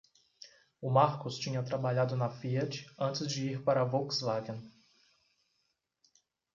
O Marcus tinha trabalhado na Fiat antes de ir para a Volkswagen.